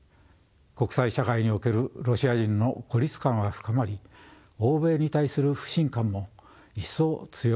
国際社会におけるロシア人の孤立感は深まり欧米に対する不信感も一層強まるように思います。